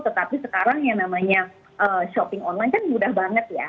tetapi sekarang yang namanya shopping online kan mudah banget ya